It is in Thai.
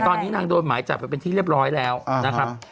ตอนนี้นางโดนหมายจับไปเป็นที่เรียบร้อยแล้วนะครับ